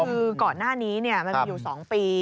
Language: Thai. คือก่อนหน้านี้มันมีอยู่๒ปี